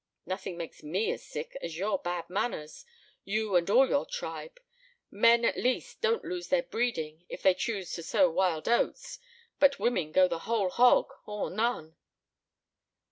"Nothing makes me as sick as your bad manners you and all your tribe. Men, at least, don't lose their breeding if they choose to sow wild oats. But women go the whole hog or none."